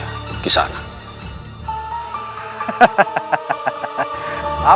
aku ingin bergabung dengannya kisana